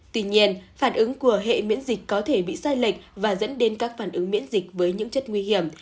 tuy nhiên phản ứng của hệ miễn dịch có thể bị sai lệch và dẫn đến các phản ứng miễn dịch với những chất nguy hiểm